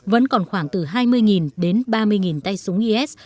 vẫn còn khoảng từ hai mươi đến ba mươi tay súng is